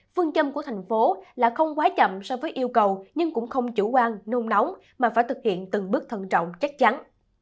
phương châm của thành phố là không quá chậm so với yêu cầu nhưng cũng không chủ quan nung nóng mà phải thực hiện từng bước thận trọng chắc chắn